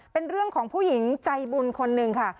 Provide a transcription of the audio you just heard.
เป็นเรื่องของผู้หญิงใจบุญคนหนึ่งค่ะ